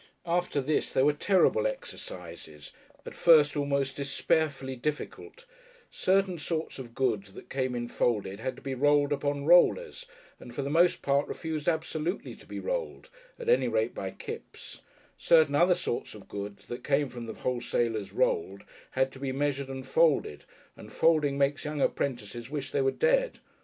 After this there were terrible exercises, at first almost despairfully difficult: certain sorts of goods that came in folded had to be rolled upon rollers, and for the most part refused absolutely to be rolled, at any rate by Kipps; and certain other sorts of goods that came from the wholesalers rolled had to be measured and folded, which folding makes young apprentices wish they were dead.